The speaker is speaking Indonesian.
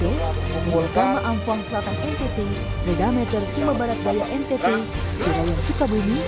merwanda ampong selatan ntt meda meter sembarat bayar ntt cireyang cukademi